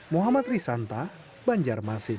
muhammad risanta banjarmasin